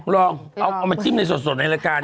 ลองเอามาจิ้มในสดในรายการ